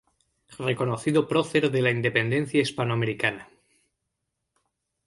Reconocido Prócer de la independencia hispanoamericana.